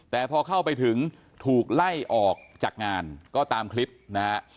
แต่พอเข้าไปถึงถูกไล่ออกจากงานก็ตามคลิปนะฮะ